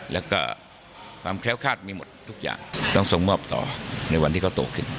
แล้วก็ความแคล้วคาดมีหมดทุกอย่างต้องส่งมอบต่อในวันที่เขาโตขึ้น